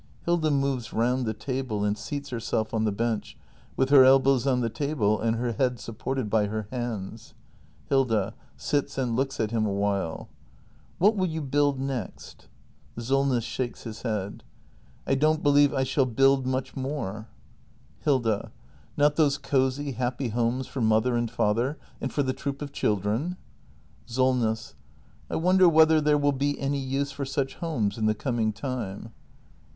[Hilda moves round the table and seats herself on the bench, with her elbows on the table, and her head supported by her hands. Hilda. [Sits and looks at him awhile.] What will you build next ? Solness. [Shakes his head.] I don't believe I shall build much more. 402 THE MASTER BUILDER [act hi Hilda. Not those cosy, happy homes for mother and father, and for the troop of children ? SOLNESS. I wonder whether there will be any use for such homes in the coming time.